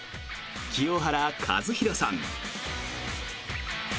清原和博さん。